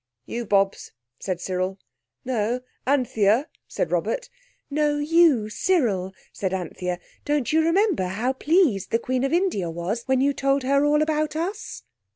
"You, Bobs," said Cyril. "No—Anthea," said Robert. "No—you—Cyril," said Anthea. "Don't you remember how pleased the Queen of India was when you told her all about us?"